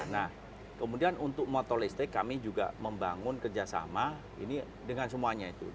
nah kemudian untuk motor listrik kami juga membangun kerjasama ini dengan semuanya itu